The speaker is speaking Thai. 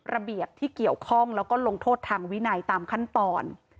ระเบียบที่เกี่ยวข้องแล้วก็ลงโทษทางวินัยตามขั้นตอน